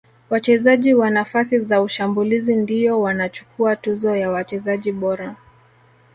wachezaji wa nafasi za ushambulizi ndiyo wanachukuwa tuzo ya wachezaji bora